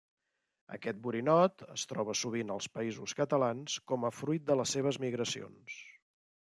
Aquest borinot es troba sovint als Països Catalans com a fruit de les seves migracions.